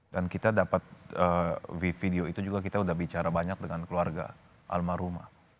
dan kita dapat video itu juga kita sudah bicara banyak dengan keluarga alma rumah